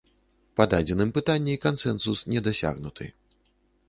Па дадзеным пытанні кансэнсус не дасягнуты.